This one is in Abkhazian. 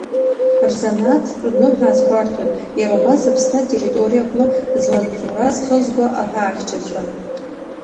Рзанааҭтә ныҳәа азгәарҭоит, иара убас Аԥсны атерриториаҟны змаҵзура зхызго аҳәаахьчаҩцәа.